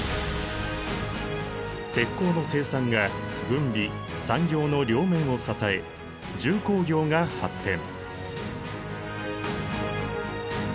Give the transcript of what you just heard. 鉄鋼の生産が軍備・産業の両面を支え重工業が発展。